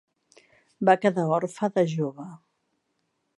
Va quedar orfe de jove.